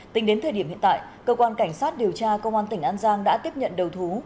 tính đến thời điểm hiện tại cơ quan cảnh sát điều tra công an tỉnh an giang đã tiếp nhận đầu thú